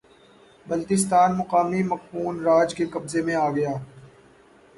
بلتستان مقامی مقپون راج کے قبضے میں آگیا